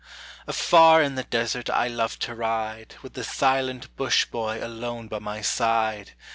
Afar in the desert I love to ride, With the silent Bush boy alone by my side!